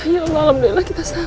ya allah alhamdulillah kita sehat